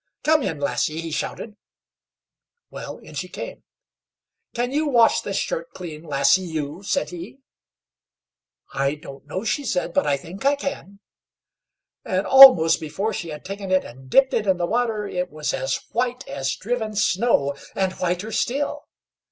COME IN, LASSIE!" he shouted. Well, in she came. "Can you wash this shirt clean, lassie you?" said he. "I don't know," she said, "but I think I can." And almost before she had taken it and dipped it in the water, it was as white as driven snow, and whiter still.